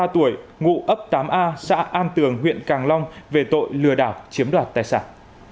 ba mươi tuổi ngụ ấp tám a xã an tường huyện càng long về tội lừa đảo chiếm đoạt tài sản